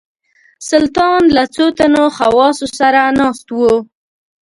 سلطان له څو تنو خواصو سره ناست وو.